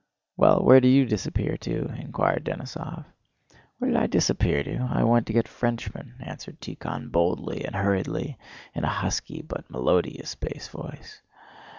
"Well, where did you disappear to?" inquired Denísov. "Where did I disappear to? I went to get Frenchmen," answered Tíkhon boldly and hurriedly, in a husky but melodious bass voice.